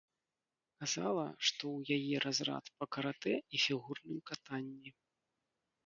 Казала, што ў яе разрад па каратэ і фігурным катанні.